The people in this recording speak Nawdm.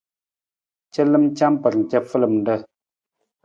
Calam camar cafalamar.